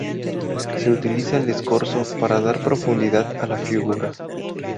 Se utiliza el escorzo para dar profundidad a la figura.